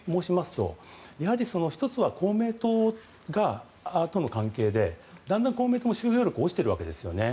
やはり１つは公明党との関係でだんだん公明党も集票力が落ちているわけですよね。